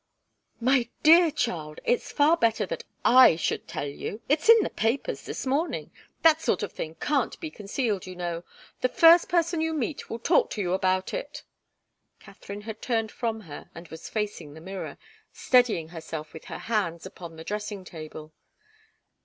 "My dear child! It's far better that I should tell you it's in the papers this morning. That sort of thing can't be concealed, you know. The first person you meet will talk to you about it." Katharine had turned from her and was facing the mirror, steadying herself with her hands upon the dressing table.